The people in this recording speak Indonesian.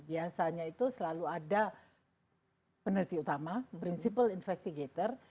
biasanya itu selalu ada peneliti utama principle investigator